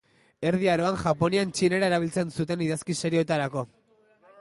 Erdi Aroan Japonian txinera erabiltzen zuten idazki serioetarako.